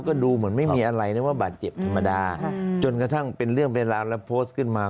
ก็ดูเหมือนไม่มีอะไรนะว่าบาดเจ็บธรรมดาจนกระทั่งเป็นเรื่องเป็นราวและโพสต์ขึ้นมา